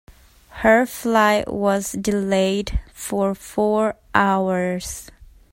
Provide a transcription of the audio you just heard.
Her flight was delayed for four hours.